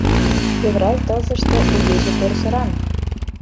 Февраль тылзыште игече тӧрсыран.